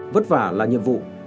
vất vả là nhiệm vụ